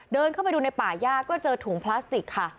เดินเข้าไปดูในป่าย่าก็เจอถุงพลาสติกค่ะ